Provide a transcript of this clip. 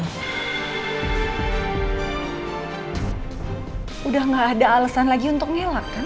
udah gak ada alesan lagi untuk ngelak kan